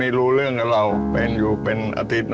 อืมอืมอืมอืมอืมอืมอืมอืม